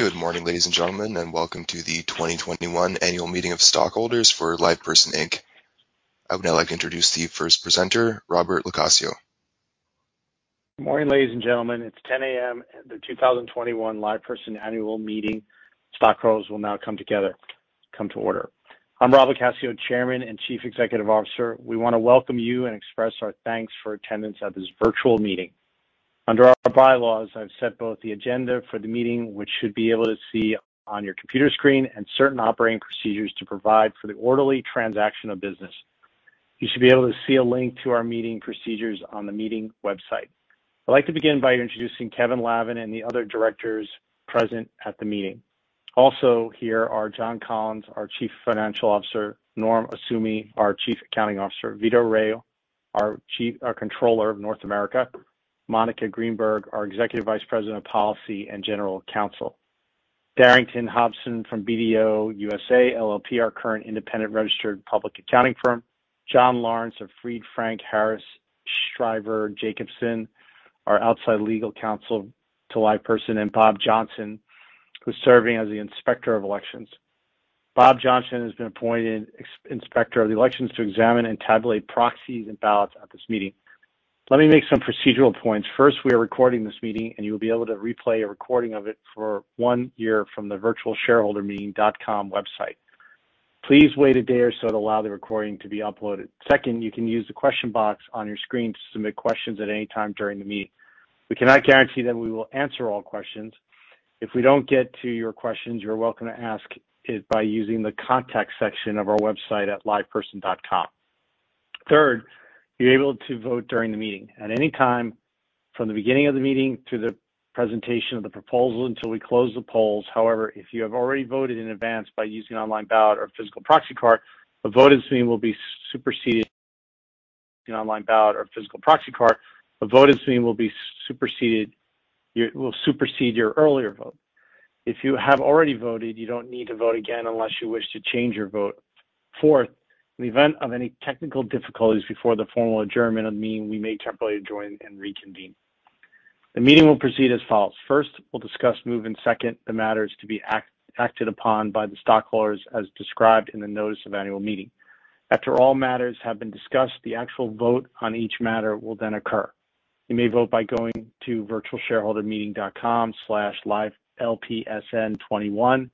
Good morning, ladies, and gentlemen, and welcome to the 2021 annual meeting of stockholders for LivePerson, Inc. I would now like to introduce the first presenter, Robert LoCascio. Good morning, ladies, and gentlemen. It's 10:00 A.M. at the 2021 LivePerson annual meeting. Stockholders will now come to order. I'm Robert LoCascio, Chairman and Chief Executive Officer. We want to welcome you and express our thanks for attendance at this virtual meeting. Under our bylaws, I've set both the agenda for the meeting, which you should be able to see on your computer screen, and certain operating procedures to provide for the orderly transaction of business. You should be able to see a link to our meeting procedures on the meeting website. I'd like to begin by introducing Kevin Lavin and the other directors present at the meeting. Also here are John Collins, our Chief Financial Officer, Norman Osumi, our Chief Accounting Officer, Vito Rao, our Controller of North America, Monica Greenberg, our Executive Vice President of Policy and General Counsel. Barrington Hobson from BDO USA, LLP, our current independent registered public accounting firm, John Lawrence of Fried, Frank, Harris, Shriver & Jacobson LLP, our outside legal counsel to LivePerson, and Bob Johnson, who's serving as the Inspector of Elections. Bob Johnson has been appointed Inspector of Elections to examine and tabulate proxies and ballots at this meeting. Let me make some procedural points. First, we are recording this meeting, and you'll be able to replay a recording of it for one year from the virtualshareholdermeeting.com website. Please wait a day or so to allow the recording to be uploaded. Second, you can use the question box on your screen to submit questions at any time during the meeting. We cannot guarantee that we will answer all questions. If we don't get to your questions, you're welcome to ask it by using the contact section of our website at liveperson.com. Third, you're able to vote during the meeting at any time from the beginning of the meeting to the presentation of the proposal until we close the polls. However, if you have already voted in advance by using online ballot or physical proxy card, the vote this meeting will supersede your earlier vote. If you have already voted, you don't need to vote again unless you wish to change your vote. Fourth, in event of any technical difficulties before the formal adjournment of the meeting, we may temporarily adjourn and reconvene. The meeting will proceed as follows. First, we'll discuss, move, and second the matters to be acted upon by the stockholders as described in the notice of annual meeting. After all matters have been discussed, the actual vote on each matter will then occur. You may vote by going to virtualshareholdermeeting.com/liveLPSN21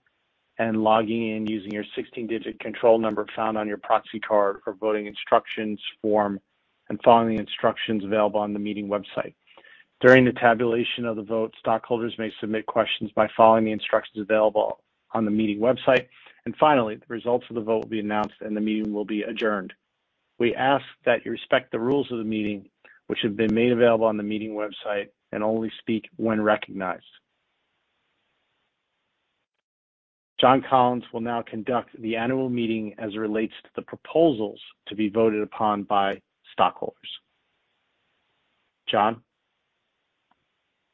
and logging in using your 16-digit control number found on your proxy card or voting instructions form and following the instructions available on the meeting website. During the tabulation of the vote, stockholders may submit questions by following the instructions available on the meeting website. Finally, the results of the vote will be announced and the meeting will be adjourned. We ask that you respect the rules of the meeting, which have been made available on the meeting website and only speak when recognized. John Collins will now conduct the annual meeting as it relates to the proposals to be voted upon by stockholders. John?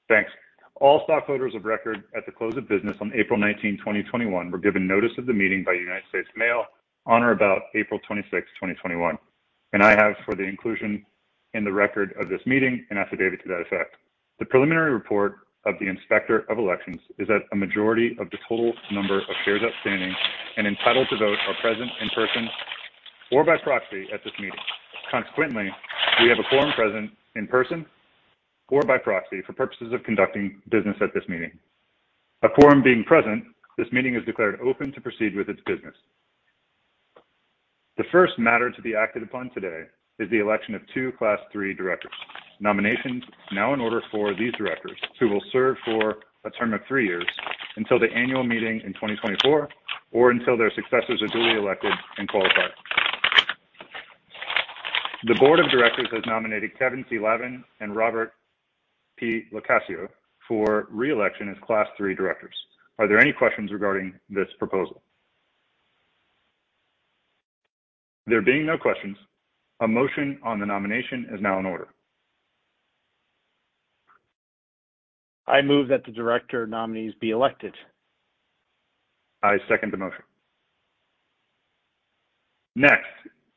Thanks. All stockholders of record at the close of business on April 19, 2021, were given notice of the meeting by United States Mail on or about April 26, 2021, and I have, for the inclusion in the record of this meeting, an affidavit to that effect. The preliminary report of the inspector of elections is that a majority of the total number of shares outstanding and entitled to vote are present in person or by proxy at this meeting. Consequently, we have a quorum present in person or by proxy for purposes of conducting business at this meeting. A quorum being present, this meeting is declared open to proceed with its business. The first matter to be acted upon today is the election of two Class III directors. Nominations now in order for these directors, who will serve for a term of three years until the annual meeting in 2024 or until their successors are duly elected and qualify. The board of directors has nominated Kevin C. Lavin and Robert P. LoCascio for re-election as Class III directors. Are there any questions regarding this proposal? There being no questions, a motion on the nomination is now in order. I move that the director nominees be elected. I second the motion. Next,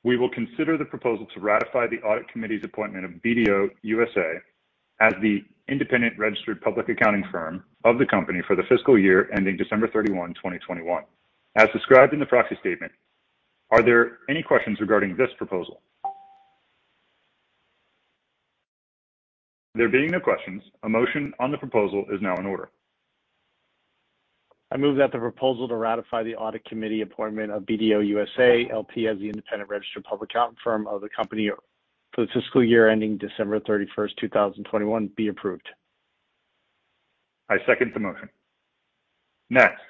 we will consider the proposal to ratify the Audit Committee's appointment of BDO USA as the independent registered public accounting firm of the company for the fiscal year ending December 31, 2021, as described in the proxy statement. Are there any questions regarding this proposal? There being no questions, a motion on the proposal is now in order. I move that the proposal to ratify the audit committee appointment of BDO USA, LLP as the independent registered public accounting firm of the company for the fiscal year ending December 31st, 2021, be approved. I second the motion. Next,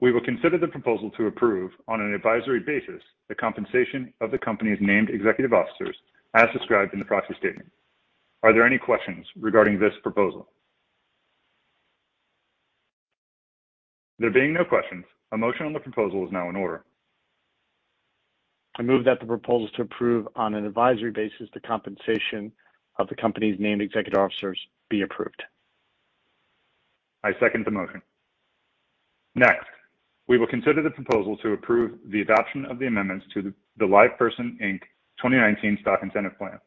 we will consider the proposal to approve, on an advisory basis, the compensation of the company's named executive officers as described in the proxy statement. Are there any questions regarding this proposal? There being no questions, a motion on the proposal is now in order. I move that the proposal to approve, on an advisory basis, the compensation of the company's named executive officers be approved. I second the motion. Next we will consider the proposal to approve the adoption of the amendments to the LivePerson, Inc. 2019 Stock Incentive Plan.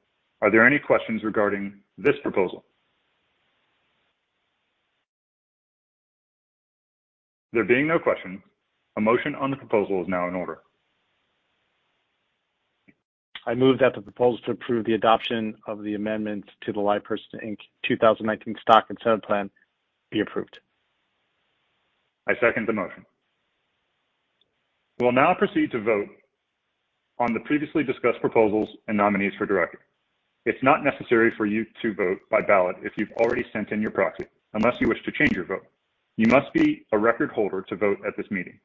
Are there any questions regarding this proposal? There being no questions, a motion on the proposal is now in order. I move that the proposal to approve the adoption of the amendment to the LivePerson, Inc. 2019 Stock Incentive Plan be approved. I second the motion. We will now proceed to vote on the previously discussed proposals and nominees for director. It's not necessary for you to vote by ballot if you've already sent in your proxy, unless you wish to change your vote. You must be a record holder to vote at this meeting.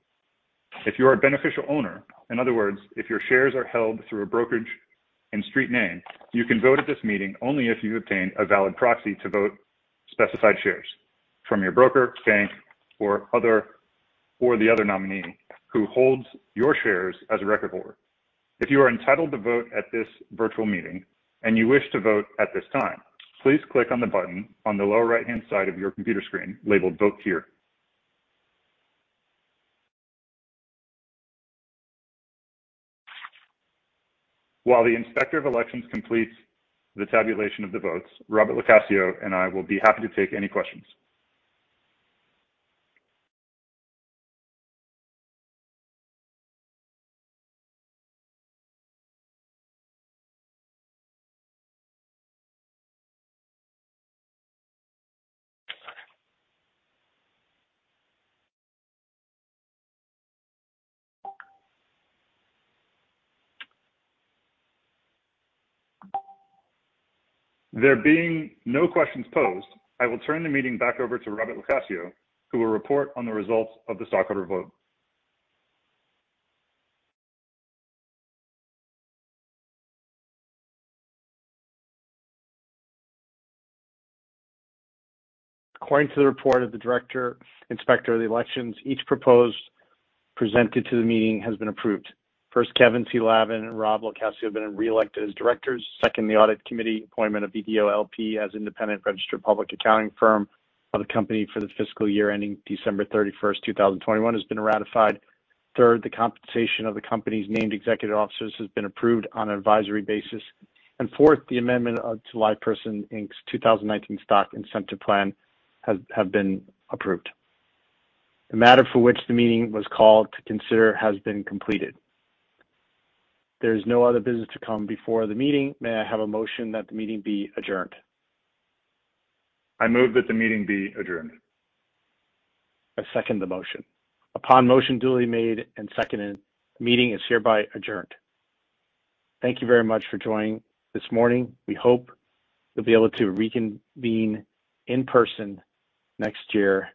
If you are a beneficial owner, in other words, if your shares are held through a brokerage in street name, you can vote at this meeting only if you've obtained a valid proxy to vote specified shares from your broker, bank, or the other nominee who holds your shares as a record holder. If you are entitled to vote at this virtual meeting and you wish to vote at this time, please click on the button on the lower right-hand side of your computer screen labeled Vote Here. While the Inspector of Elections completes the tabulation of the votes, Robert LoCascio and I will be happy to take any questions. There being no questions posed, I will turn the meeting back over to Robert LoCascio, who will report on the results of the stockholder vote. According to the report of the Inspector of the Elections, each proposed presented to the meeting has been approved. First, Kevin C. Lavin and Robert LoCascio have been reelected as directors. Second, the audit committee appointment of BDO LLP as independent registered public accounting firm of the company for the fiscal year ending December 31st, 2021, has been ratified. Third, the compensation of the company's named executive officers has been approved on an advisory basis. Fourth, the amendment to LivePerson, Inc.'s 2019 Stock Incentive Plan have been approved. The matter for which the meeting was called to consider has been completed. There's no other business to come before the meeting. May I have a motion that the meeting be adjourned? I move that the meeting be adjourned. I second the motion. Upon motion duly made and seconded, the meeting is hereby adjourned. Thank you very much for joining this morning. We hope you'll be able to reconvene in person next year.